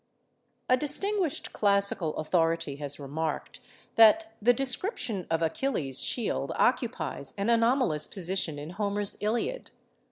_ A distinguished classical authority has remarked that the description of Achilles' shield occupies an anomalous position in Homer's 'Iliad.